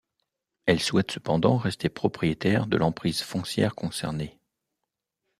Elle souhaite cependant, rester propriétaire de l’emprise foncière concernée.